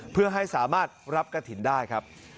เพื่อให้สามารถรับกระถิ่นได้ครับ